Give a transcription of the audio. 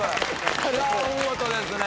お見事ですね。